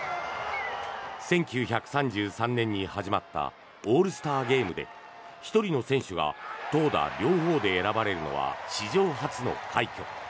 １９３３年に始まったオールスターゲームで１人の選手が投打両方で選ばれるのは史上初の快挙。